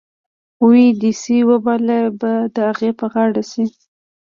وې دې سي وبال به د اغې په غاړه شي.